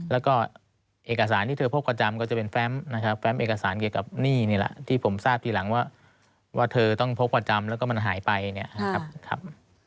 แล้วก็เอกสารที่เธอพกประจำก็จะเป็นแฟมนะครับแฟมเอกสารเกี่ยวกับหนี้นี่แหละที่ผมทราบทีหลังว่าเธอต้องพกประจำแล้วก็มันหายไปเนี่ยนะครับ